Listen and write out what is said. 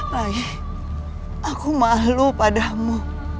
rai aku malu padamu